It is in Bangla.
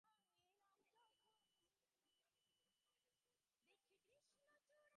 নানা কারণে তাঁদের মনোনয়নপত্র বাতিল করা হয়েছে বলে জানিয়েছেন সংশ্লিষ্ট রিটার্নিং কর্মকর্তারা।